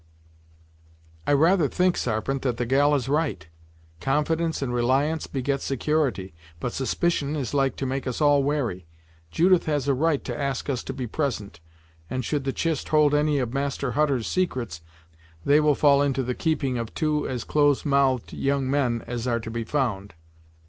"I rather think, Sarpent, that the gal is right! Confidence and reliance beget security, but suspicion is like to make us all wary. Judith has a right to ask us to be present, and should the chist hold any of Master Hutter's secrets, they will fall into the keeping of two as close mouthed young men as are to be found.